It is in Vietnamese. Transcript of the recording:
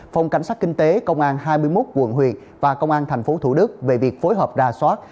phòng cảnh sát kinh tế công an hai mươi một quận huyện và công an tp thủ đức về việc phối hợp đà soát